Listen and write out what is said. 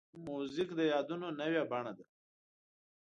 موزیک د یادونو نوې بڼه ده.